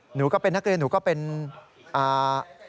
หนูก็เป็นนักเรียนหนูก็เป็นอ่า